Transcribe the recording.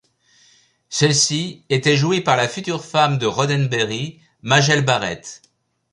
Celle-ci était jouée par la future femme de Roddenberry, Majel Barrett.